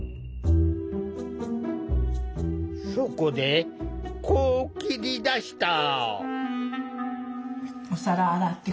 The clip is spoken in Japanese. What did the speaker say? そこでこう切り出した。